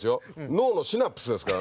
脳のシナプスですから。